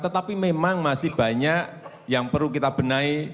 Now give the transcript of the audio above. tetapi memang masih banyak yang perlu kita benahi